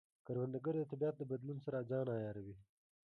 کروندګر د طبیعت د بدلون سره ځان عیاروي